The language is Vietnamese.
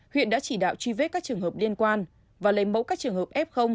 huyện đã chỉ đạo truy vết các trường hợp liên quan và lấy mẫu các trường hợp f